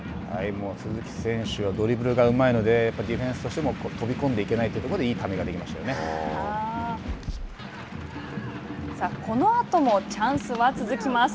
鈴木選手はドリブルがうまいのでディフェンスとしても飛び込んでいけないということでこのあともチャンスは続きます。